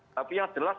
tapi yang jelas